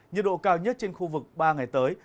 nhiệt độ cao nhất trên khu vực ba ngày tới